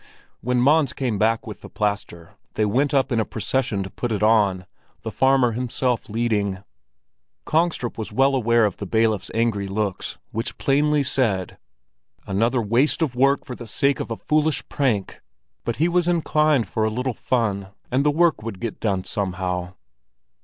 When Mons came back with the plaster, they went up in a procession to put it on, the farmer himself leading. Kongstrup was well aware of the bailiff's angry looks, which plainly said, "Another waste of work for the sake of a foolish prank!" But he was inclined for a little fun, and the work would get done somehow.